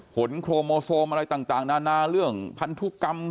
โครโมโซมอะไรต่างนานาเรื่องพันธุกรรม